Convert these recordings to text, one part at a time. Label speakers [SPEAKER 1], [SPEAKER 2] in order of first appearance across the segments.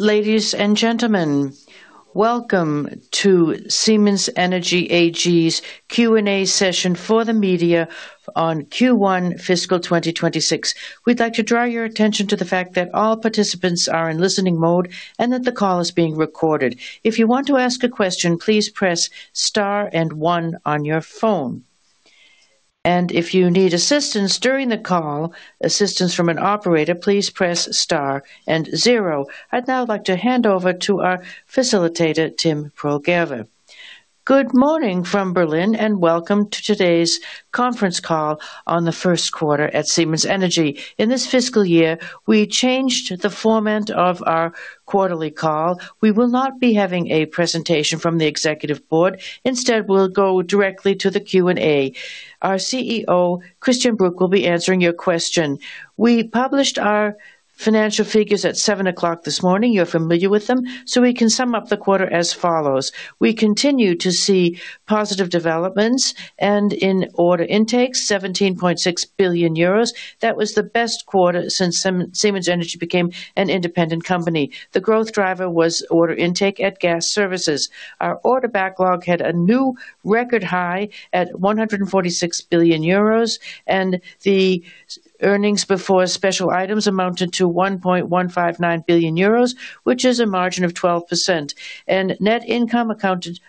[SPEAKER 1] Ladies and gentlemen, welcome to Siemens Energy AG's Q&A session for the media on Q1 fiscal 2026. We'd like to draw your attention to the fact that all participants are in listening mode and that the call is being recorded. If you want to ask a question, please press star and one on your phone. If you need assistance during the call, assistance from an operator, please press star and zero. I'd now like to hand over to our facilitator, Tim Proll-Gerwe.
[SPEAKER 2] Good morning from Berlin, and welcome to today's conference call on the Q1 at Siemens Energy. In this fiscal year, we changed the format of our quarterly call. We will not be having a presentation from the executive board. Instead, we'll go directly to the Q&A. Our CEO, Christian Bruch, will be answering your question. We published our financial figures at 7:00 A.M. this morning. You're familiar with them. So we can sum up the quarter as follows. We continue to see positive developments. And in order intakes, 17.6 billion euros. That was the best quarter since Siemens Energy became an independent company. The growth driver was order intake at Gas Services. Our order backlog had a new record high at 146 billion euros. And the earnings before special items amounted to 1.159 billion euros, which is a margin of 12%. And net income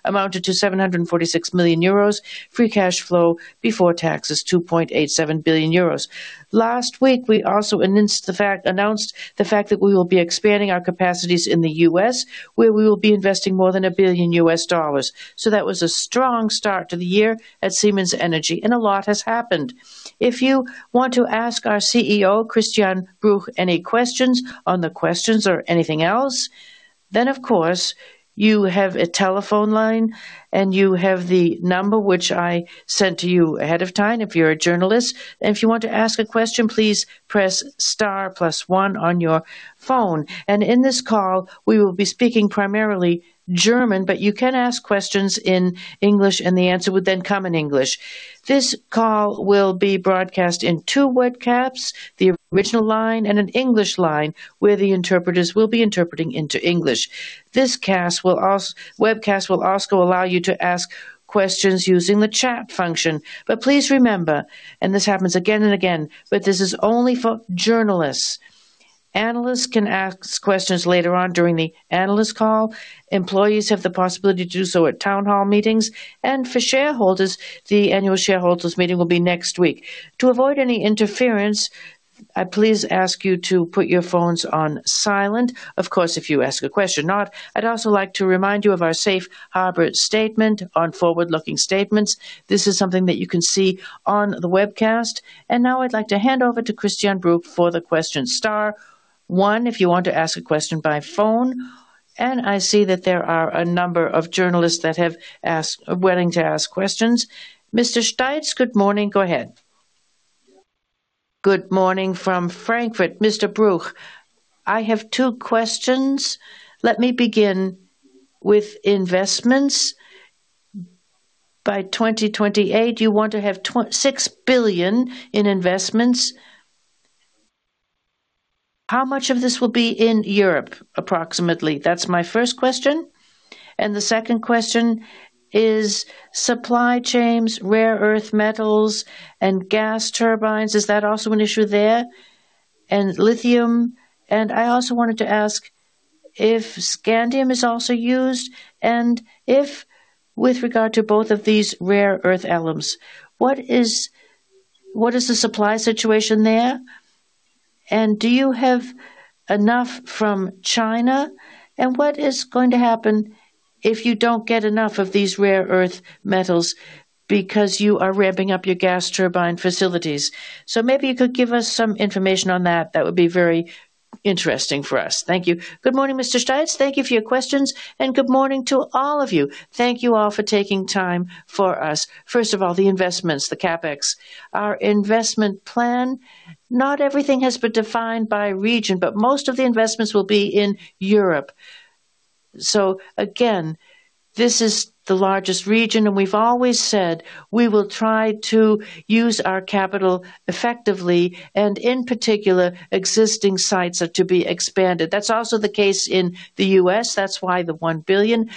[SPEAKER 2] amounted to 746 million euros. Free cash flow before taxes was 2.87 billion euros. Last week, we also announced the fact that we will be expanding our capacities in the U.S., where we will be investing more than $1 billion. So that was a strong start to the year at Siemens Energy. And a lot has happened.
[SPEAKER 1] If you want to ask our CEO, Christian Bruch, any questions on the questions or anything else, then, of course, you have a telephone line. You have the number, which I sent to you ahead of time if you're a journalist. If you want to ask a question, please press star plus one on your phone. In this call, we will be speaking primarily German, but you can ask questions in English, and the answer would then come in English. This call will be broadcast in two webcasts: the original line and an English line, where the interpreters will be interpreting into English. This webcast will also allow you to ask questions using the chat function. Please remember, and this happens again and again, but this is only for journalists. Analysts can ask questions later on during the analyst call. Employees have the possibility to do so at town hall meetings. For shareholders, the annual shareholders' meeting will be next week. To avoid any interference, I please ask you to put your phones on silent, of course, if you ask a question. I'd also like to remind you of our safe harbor statement on forward-looking statements. This is something that you can see on the webcast. Now I'd like to hand over to Christian Bruch. For the question, star one, if you want to ask a question by phone. I see that there are a number of journalists that have wanted to ask questions. Mr. Steitz, good morning. Go ahead.
[SPEAKER 3] Good morning from Frankfurt. Mr. Bruch, I have two questions. Let me begin with investments. By 2028, you want to have $6 billion in investments. How much of this will be in Europe, approximately? That's my first question. And the second question is supply chains, rare earth metals, and gas turbines. Is that also an issue there? And lithium. And I also wanted to ask if scandium is also used. And with regard to both of these rare earth elements, what is the supply situation there? And do you have enough from China? And what is going to happen if you don't get enough of these rare earth metals because you are ramping up your gas turbine facilities? So maybe you could give us some information on that. That would be very interesting for us.
[SPEAKER 4] Thank you. Good morning, Mr. Steitz. Thank you for your questions. Good morning to all of you. Thank you all for taking time for us. First of all, the investments, the CapEx, our investment plan. Not everything has been defined by region, but most of the investments will be in Europe. So again, this is the largest region. We've always said we will try to use our capital effectively. In particular, existing sites are to be expanded. That's also the case in the U.S. That's why the $1 billion.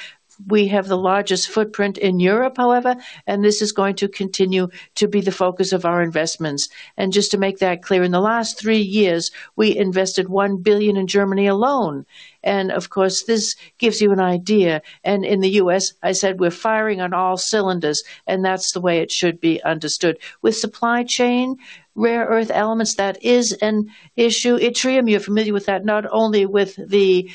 [SPEAKER 4] We have the largest footprint in Europe, however. This is going to continue to be the focus of our investments. Just to make that clear, in the last three years, we invested $1 billion in Germany alone. Of course, this gives you an idea. In the U.S., I said we're firing on all cylinders. That's the way it should be understood. With supply chain, rare earth elements, that is an issue. Yttrium, you're familiar with that, not only with the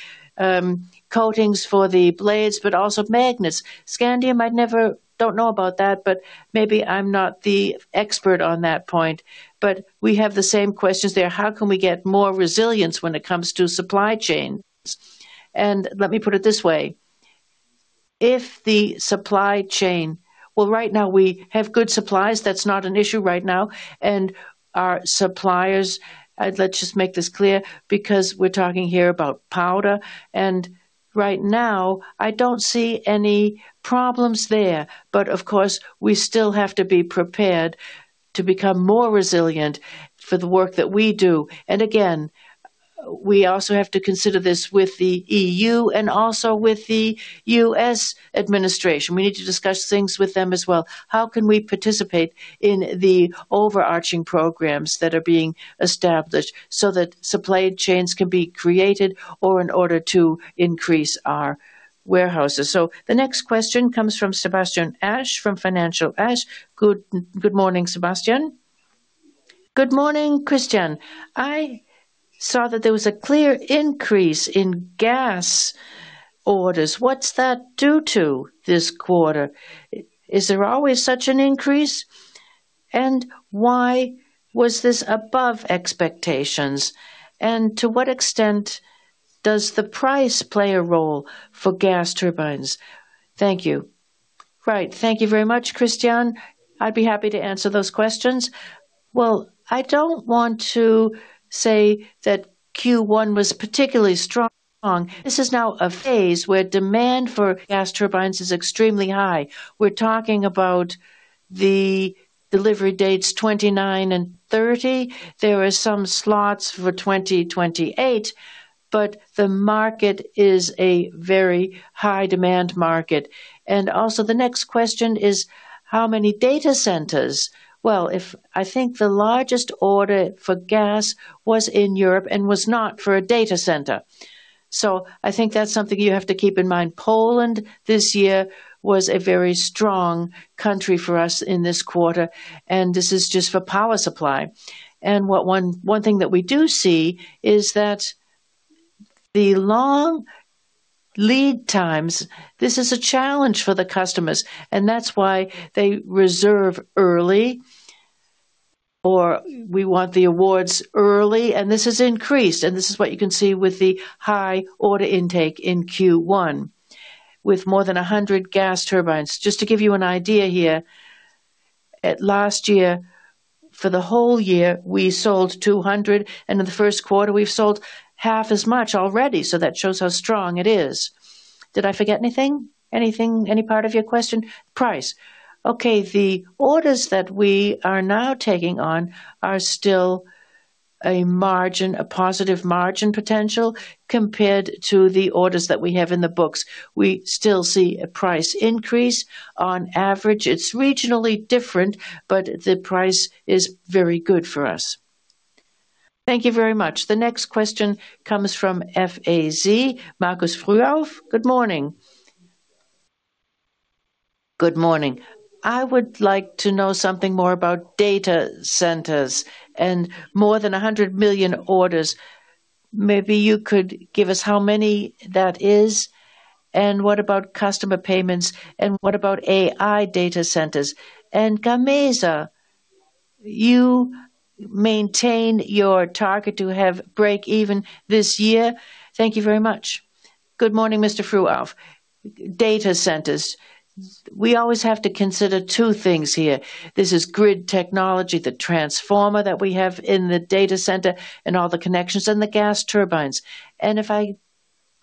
[SPEAKER 4] coatings for the blades but also magnets. Scandium, I don't know about that, but maybe I'm not the expert on that point. But we have the same questions there. How can we get more resilience when it comes to supply chains? And let me put it this way. If the supply chain well, right now, we have good supplies. That's not an issue right now. And our suppliers let's just make this clear because we're talking here about powder. And right now, I don't see any problems there. But of course, we still have to be prepared to become more resilient for the work that we do. And again, we also have to consider this with the EU and also with the U.S. administration. We need to discuss things with them as well. How can we participate in the overarching programs that are being established so that supply chains can be created or in order to increase our warehouses? So the next question comes from Sebastian Ash from Financial Times. Good morning, Sebastian.
[SPEAKER 5] Good morning, Christian. I saw that there was a clear increase in gas orders. What's that due to this quarter? Is there always such an increase? And why was this above expectations? And to what extent does the price play a role for gas turbines? Thank you. Right. Thank you very much, Christian.
[SPEAKER 4] I'd be happy to answer those questions. Well, I don't want to say that Q1 was particularly strong. This is now a phase where demand for gas turbines is extremely high. We're talking about the delivery dates 2029 and 2030. There are some slots for 2028. But the market is a very high-demand market. And also, the next question is how many data centers? Well, I think the largest order for gas was in Europe and was not for a data center. So I think that's something you have to keep in mind. Poland this year was a very strong country for us in this quarter. This is just for power supply. One thing that we do see is that the long lead times, this is a challenge for the customers. That's why they reserve early or we want the awards early. This has increased. This is what you can see with the high order intake in Q1 with more than 100 gas turbines. Just to give you an idea here, last year, for the whole year, we sold 200. In the Q1, we've sold half as much already. That shows how strong it is. Did I forget anything? Any part of your question? Price. Okay. The orders that we are now taking on are still a positive margin potential compared to the orders that we have in the books. We still see a price increase on average. It's regionally different, but the price is very good for us.
[SPEAKER 2] Thank you very much. The next question comes from FAZ, Markus Frühauf. Good morning.
[SPEAKER 6] Good morning. I would like to know something more about data centers and more than 100 million orders. Maybe you could give us how many that is. And what about customer payments? And what about AI data centers? And Gamesa, you maintain your target to have break-even this year. Thank you very much.
[SPEAKER 4] Good morning, Mr. Frühauf. Data centers, we always have to consider two things here. This is grid technology, the transformer that we have in the data center and all the connections, and the gas turbines. And if I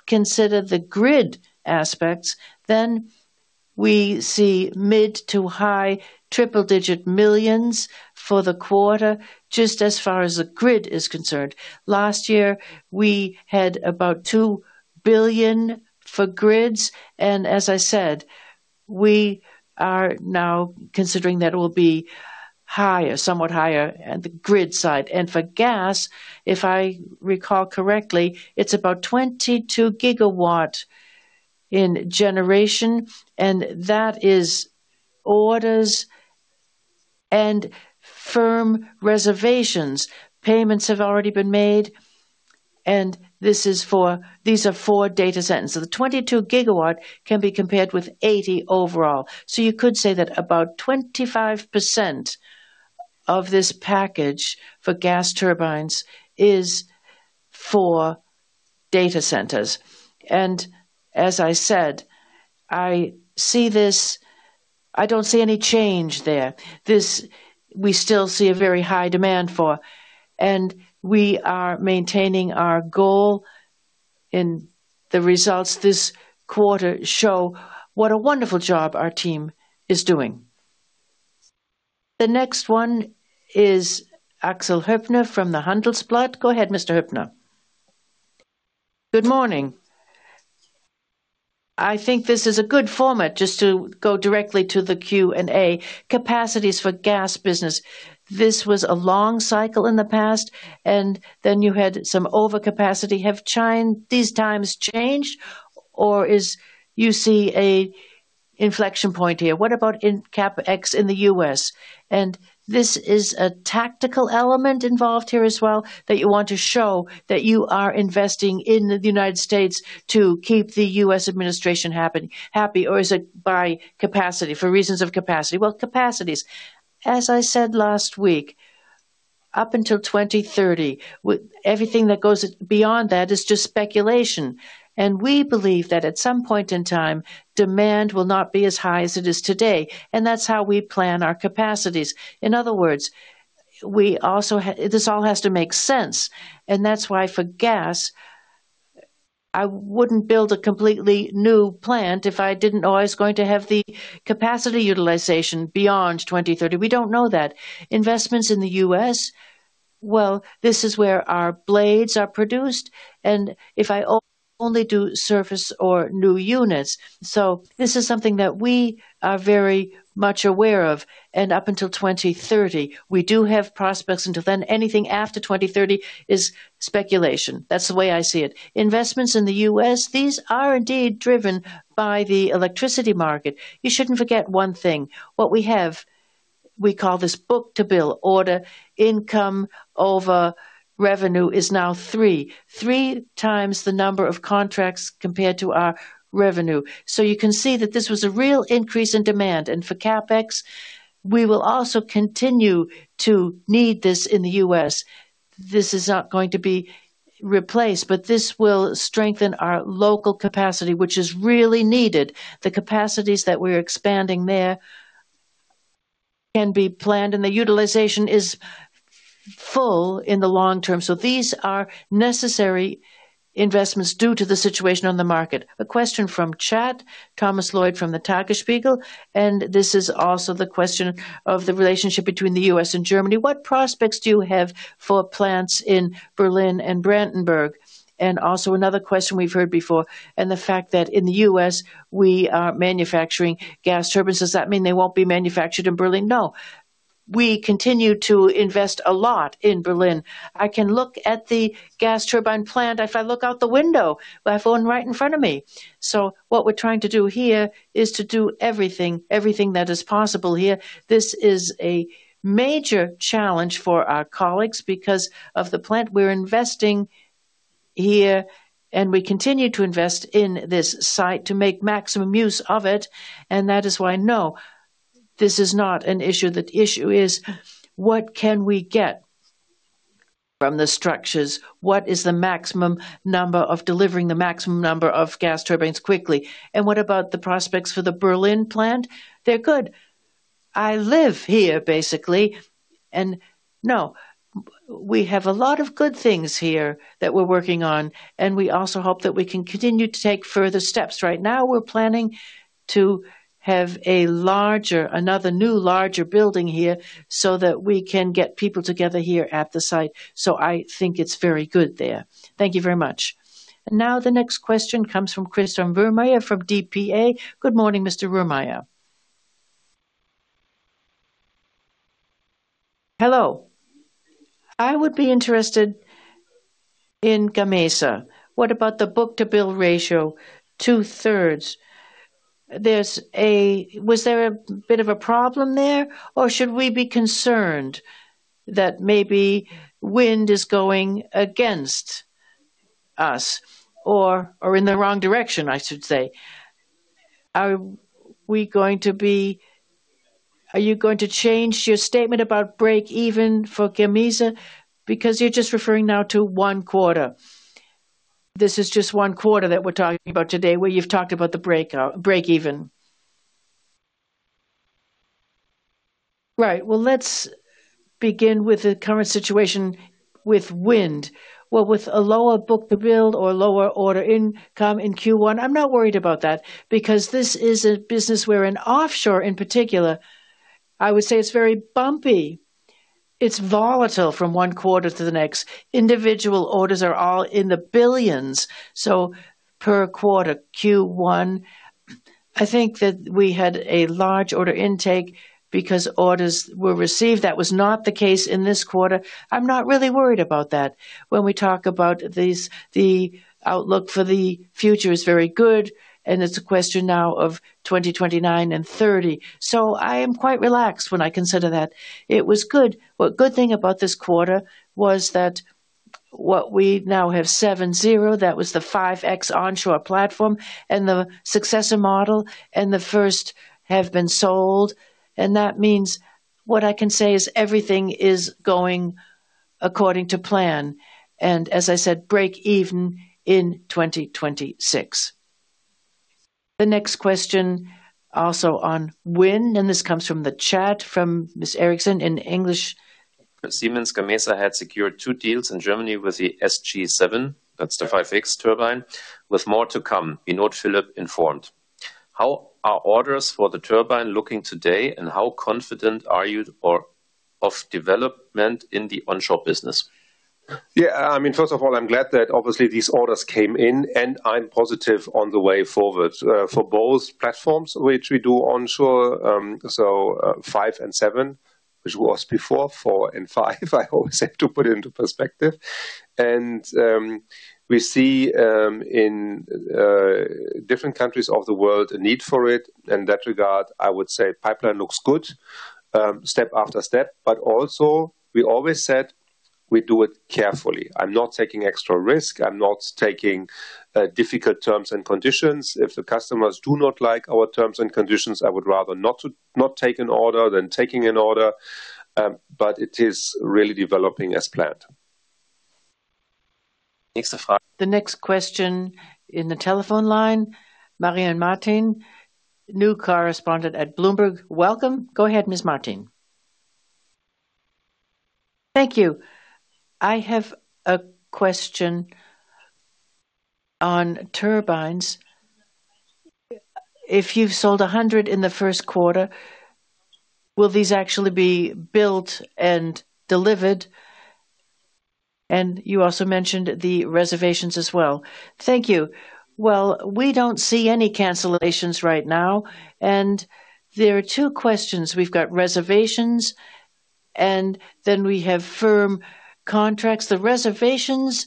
[SPEAKER 4] consider the grid aspects, then we see mid- to high triple-digit millions for the quarter, just as far as the grid is concerned. Last year, we had about $2 billion for grids. As I said, we are now considering that it will be higher, somewhat higher on the grid side. For gas, if I recall correctly, it's about 22 gigawatts in generation. That is orders and firm reservations. Payments have already been made. These are four data centers. So the 22 gigawatts can be compared with 80 overall. You could say that about 25% of this package for gas turbines is for data centers. As I said, I don't see any change there. We still see a very high demand for. We are maintaining our goal. The results this quarter show what a wonderful job our team is doing.
[SPEAKER 2] The next one is Axel Höpner from the Handelsblatt. Go ahead, Mr. Höpner. Good morning.
[SPEAKER 7] I think this is a good format just to go directly to the Q&A. Capacities for gas business. This was a long cycle in the past. And then you had some overcapacity. Have these times changed? Or do you see an inflection point here? What about CapEx in the U.S.? And this is a tactical element involved here as well that you want to show that you are investing in the United States to keep the U.S. administration happy? Or is it by capacity, for reasons of capacity?
[SPEAKER 4] Well, capacities. As I said last week, up until 2030, everything that goes beyond that is just speculation. And we believe that at some point in time, demand will not be as high as it is today. And that's how we plan our capacities. In other words, this all has to make sense. That's why for gas, I wouldn't build a completely new plant if I didn't always going to have the capacity utilization beyond 2030. We don't know that. Investments in the U.S., well, this is where our blades are produced. And if I only do surface or new units. So this is something that we are very much aware of. And up until 2030, we do have prospects until then. Anything after 2030 is speculation. That's the way I see it. Investments in the U.S., these are indeed driven by the electricity market. You shouldn't forget one thing. What we have, we call this book-to-bill order, income over revenue is now 3.3 times the number of contracts compared to our revenue. So you can see that this was a real increase in demand. And for CapEx, we will also continue to need this in the U.S. This is not going to be replaced, but this will strengthen our local capacity, which is really needed. The capacities that we're expanding there can be planned. The utilization is full in the long term. These are necessary investments due to the situation on the market.
[SPEAKER 2] A question from chat, Thomas Loy from the Tagesspiegel. This is also the question of the relationship between the U.S. and Germany. What prospects do you have for plants in Berlin and Brandenburg? And also, another question we've heard before, and the fact that in the U.S., we are manufacturing gas turbines. Does that mean they won't be manufactured in Berlin?
[SPEAKER 4] No. We continue to invest a lot in Berlin. I can look at the gas turbine plant if I look out the window. I have one right in front of me. What we're trying to do here is to do everything that is possible here. This is a major challenge for our colleagues because of the plant we're investing here. We continue to invest in this site to make maximum use of it. That is why, no, this is not an issue that the issue is what can we get from the structures? What is the maximum number of delivering the maximum number of gas turbines quickly? What about the prospects for the Berlin plant? They're good. I live here, basically. No, we have a lot of good things here that we're working on. We also hope that we can continue to take further steps. Right now, we're planning to have another new larger building here so that we can get people together here at the site. I think it's very good there.
[SPEAKER 2] Thank you very much. Now, the next question comes from Christian Wermke from DPA. Good morning, Mr. Wermke.
[SPEAKER 8] Hello. I would be interested in Gamesa. What about the book-to-bill ratio, 2/3? Was there a bit of a problem there? Or should we be concerned that maybe wind is going against us or in the wrong direction, I should say? Are you going to change your statement about break-even for Gamesa? Because you're just referring now to one quarter. This is just one quarter that we're talking about today where you've talked about the break-even.
[SPEAKER 4] Right. Well, let's begin with the current situation with wind. Well, with a lower book-to-bill or lower order intake in Q1, I'm not worried about that because this is a business where an offshore, in particular, I would say it's very bumpy. It's volatile from one quarter to the next. Individual orders are all in the billions. So per quarter, Q1, I think that we had a large order intake because orders were received. That was not the case in this quarter. I'm not really worried about that. When we talk about the outlook for the future, it's very good. And it's a question now of 2029 and 2030. So I am quite relaxed when I consider that. It was good. What good thing about this quarter was that what we now have 7.0, that was the 5.X onshore platform and the successor model. And the first have been sold. And that means what I can say is everything is going according to plan. And as I said, break-even in 2026.
[SPEAKER 2] The next question also on wind, and this comes from the chat from Ms. Erickson in English. Siemens Gamesa had secured two deals in Germany with the SG 7.0, that's the 5.X turbine, with more to come. Please note, Philipp, informed. How are orders for the turbine looking today? And how confident are you of development in the onshore business?
[SPEAKER 4] Yeah. I mean, first of all, I'm glad that obviously these orders came in. And I'm positive on the way forward for both platforms, which we do onshore, so 5 and 7, which was before 4 and 5. I always have to put it into perspective. And we see in different countries of the world a need for it. In that regard, I would say pipeline looks good step after step. But also, we always said we do it carefully. I'm not taking extra risk. I'm not taking difficult terms and conditions. If the customers do not like our terms and conditions, I would rather not take an order than taking an order. But it is really developing as planned.
[SPEAKER 2] The next question in the telephone line, Marilen Martin, new correspondent at Bloomberg. Welcome. Go ahead, Ms. Martin. Thank you. I have a question on turbines. If you've sold 100 in the Q1, will these actually be built and delivered? And you also mentioned the reservations as well.
[SPEAKER 4] Thank you. Well, we don't see any cancellations right now. And there are two questions. We've got reservations, and then we have firm contracts. The reservations,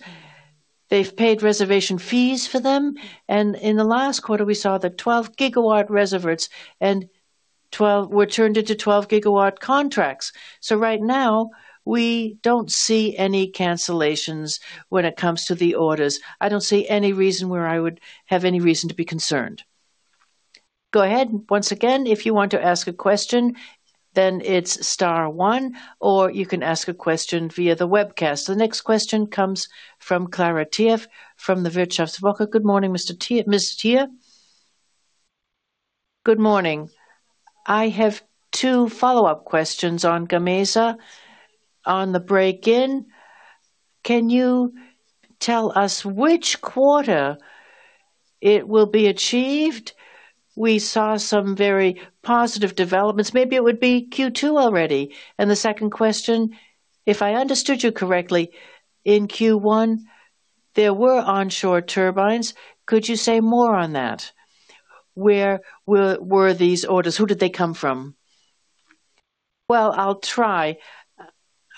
[SPEAKER 4] they've paid reservation fees for them. And in the last quarter, we saw the 12-gigawatt reservations were turned into 12-gigawatt contracts. So right now, we don't see any cancellations when it comes to the orders. I don't see any reason where I would have any reason to be concerned. Go ahead.
[SPEAKER 2] Once again, if you want to ask a question, then it's star one. Or you can ask a question via the webcast. The next question comes from Clara Thier from the WirtschaftsWoche. Good morning, Ms. Thier.
[SPEAKER 9] Good morning. I have two follow-up questions on Gamesa, on the break-even. Can you tell us which quarter it will be achieved?
[SPEAKER 4] We saw some very positive developments. Maybe it would be Q2 already. And the second question, if I understood you correctly, in Q1, there were onshore turbines.
[SPEAKER 9] Could you say more on that? Where were these orders? Who did they come from?
[SPEAKER 4] Well, I'll try.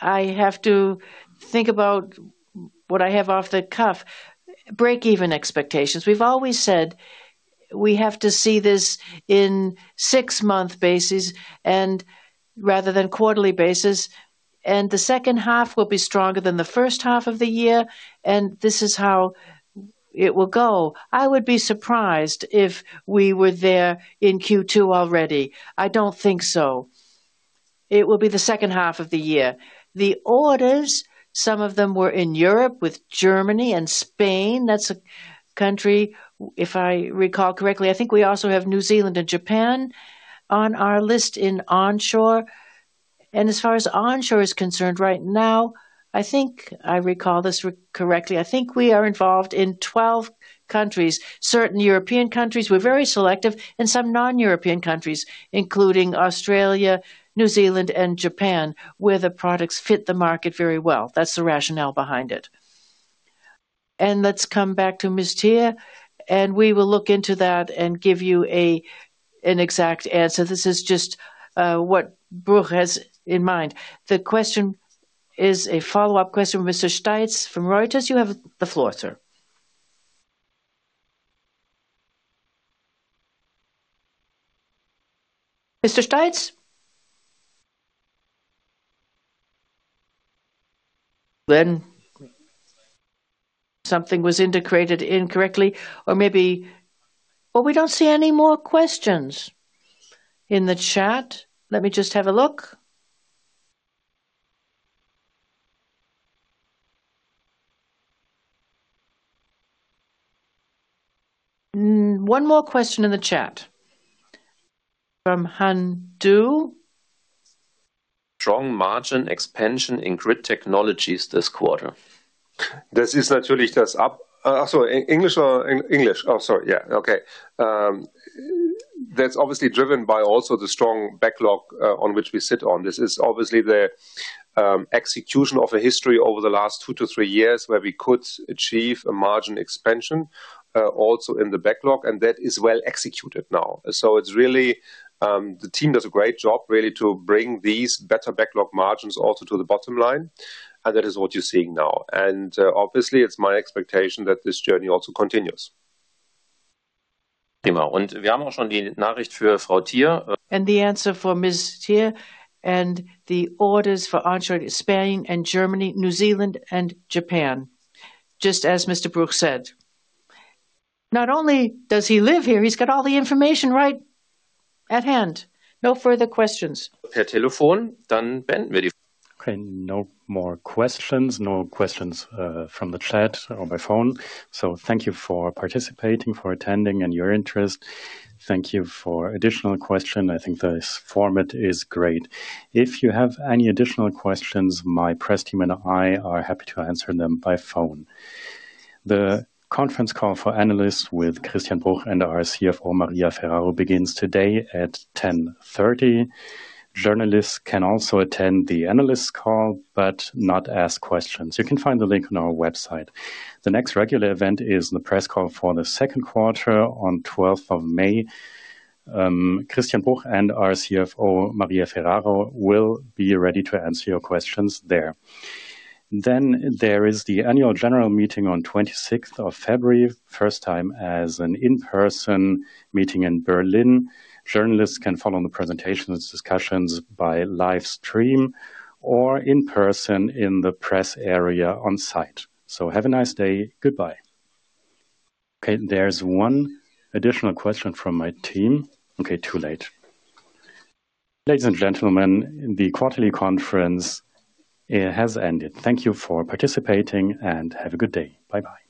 [SPEAKER 4] I have to think about what I have off the cuff. Break-even expectations. We've always said we have to see this in six-month basis rather than quarterly basis. And the second half will be stronger than the first half of the year. And this is how it will go. I would be surprised if we were there in Q2 already. I don't think so. It will be the second half of the year. The orders, some of them were in Europe with Germany and Spain. That's a country, if I recall correctly. I think we also have New Zealand and Japan on our list in onshore. As far as onshore is concerned right now, I think I recall this correctly, I think we are involved in 12 countries, certain European countries. We're very selective. Some non-European countries, including Australia, New Zealand, and Japan, where the products fit the market very well. That's the rationale behind it.
[SPEAKER 2] Let's come back to Ms. Thier. We will look into that and give you an exact answer. This is just what Bruch has in mind. The question is a follow-up question from Mr. Steitz from Reuters. You have the floor, sir. Mr. Steitz? Then something was indicated incorrectly. Or maybe, well, we don't see any more questions in the chat. Let me just have a look. One more question in the chat from Han Du. Strong margin expansion in Grid Technologies this quarter.
[SPEAKER 4] This is naturally English. Oh, sorry. Yeah. Okay. That's obviously driven by also the strong backlog on which we sit on. This is obviously the execution of a history over the last 2-3 years where we could achieve a margin expansion also in the backlog. And that is well executed now. So the team does a great job really to bring these better backlog margins also to the bottom line. And that is what you're seeing now. And obviously, it's my expectation that this journey also continues.
[SPEAKER 2] Thank you very much. We have also the narrative for Frau Thier. The answer for Ms. Thier. The orders for onshore in Spain and Germany, New Zealand, and Japan, just as Mr. Bruch said. Not only does he live here, he's got all the information right at hand. No further questions. Per telephone. Then we'll end the. Okay. No more questions. No questions from the chat or by phone. Thank you for participating, for attending, and your interest. Thank you for additional questions. I think this format is great. If you have any additional questions, my press team and I are happy to answer them by phone. The conference call for analysts with Christian Bruch and our CFO, Maria Ferraro, begins today at 10:30 A.M. Journalists can also attend the analysts call but not ask questions. You can find the link on our website. The next regular event is the press call for the Q2 on 12th of May. Christian Bruch and our CFO, Maria Ferraro, will be ready to answer your questions there. There is the annual general meeting on 26th of February, first time as an in-person meeting in Berlin. Journalists can follow the presentations and discussions by live stream or in person in the press area on site. So have a nice day. Goodbye. Okay. There's one additional question from my team. Okay. Too late. Ladies and gentlemen, the quarterly conference has ended. Thank you for participating. And have a good day. Bye-bye.